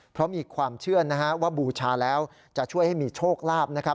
เพราะมีความเชื่อนะฮะว่าบูชาแล้วจะช่วยให้มีโชคลาภนะครับ